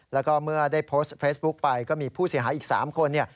แล้วก็มีก็มีผู้เสียหายีก๓คนเนี่ย